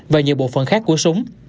và nhiều bộ phận khác của súng